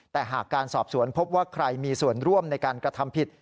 แต่หากการสอบสวนพบว่าใครมีส่วนร่วมในการกระทำผิด